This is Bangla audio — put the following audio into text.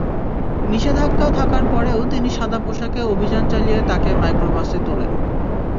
নিষেধাজ্ঞা থাকার পরেও তিনি সাদা পোশাকে অভিযান চালিয়ে তাঁকে মাইক্রোবাসে তোলেন।